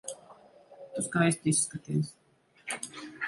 Tu skaisti izskaties.